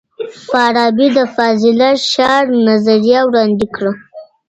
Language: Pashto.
فارابي د فاضله ښار نظریه وړاندې کړه.